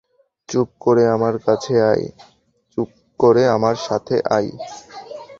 চুপ করে আমার সাথে আয়।